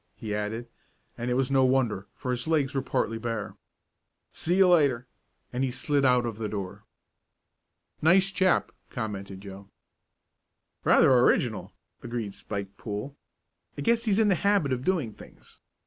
he added, and it was no wonder, for his legs were partly bare. "See you later!" and he slid out of the door. "Nice chap," commented Joe. "Rather original," agreed Spike Poole. "I guess he's in the habit of doing things.